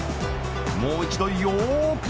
もう一度よーく